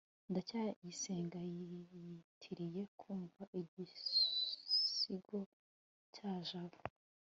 ndacyayisenga yiyitiriye kumva igisigo cya jabo